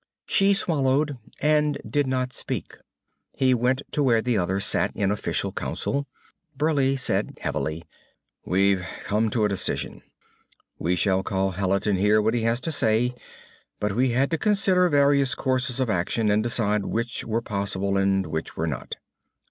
She swallowed and did not speak. He went to where the others sat in official council. Burleigh said heavily; "We've come to a decision. We shall call Hallet and hear what he has to say, but we had to consider various courses of action and decide which were possible and which were not."